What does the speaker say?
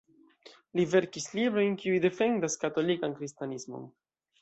Li verkis librojn, kiuj defendas katolikan kristanismon.